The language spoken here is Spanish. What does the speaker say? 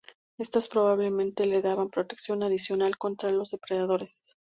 Estas probablemente le daban protección adicional contra los depredadores.